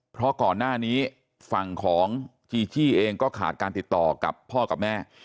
เพราะก่อนหน้านี้ฝั่งของจีจี้เองก็ขาดการติดต่อกับพ่อกับแม่